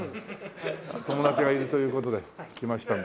友達がいるという事で来ましたので。